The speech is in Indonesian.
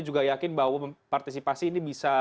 juga yakin bahwa partisipasi ini bisa